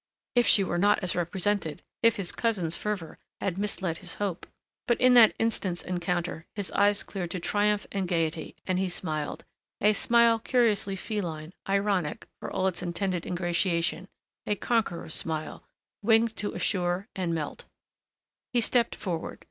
If she were not as represented! If his cousin's fervor had misled his hope ! But in that instant's encounter his eyes cleared to triumph and gayety, and he smiled a smile curiously feline, ironic, for all its intended ingratiation a conqueror's smile, winged to reassure and melt. He stepped forward.